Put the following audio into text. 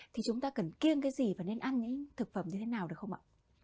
thì chúng ta cần kiêng cái gì và nên ăn những thực phẩm như thế nào được không ạ